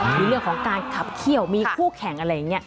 มีเรื่องของการขับเขี้ยวมีคู่แข่งอะไรอย่างนี้